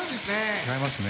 違いますね。